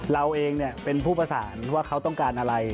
เราเองเป็นผู้ประสานว่าเขาต้องการอะไร